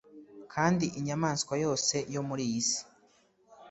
Kandi inyamaswa yose yo mu isi